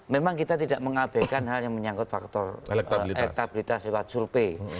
memang kita tidak mengabaikan hal yang menyangkut faktor elektabilitas lewat survei